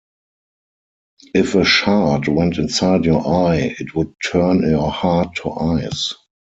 If a shard went inside your eye, it would turn your heart to ice.